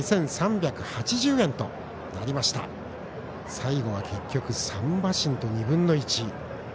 最後は結局、３馬身と２分の１。